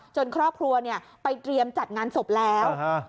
ครอบครัวไปเตรียมจัดงานศพแล้ว